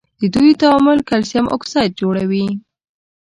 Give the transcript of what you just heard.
د دوی تعامل کلسیم اکساید جوړوي.